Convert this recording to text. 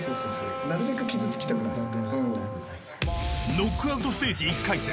ノックアウトステージ１回戦